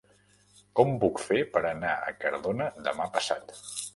Com ho puc fer per anar a Cardona demà passat?